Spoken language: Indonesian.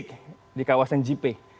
di gresik di kawasan jipe